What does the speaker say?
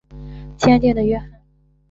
威末酒制造商对他们的配方严格保密。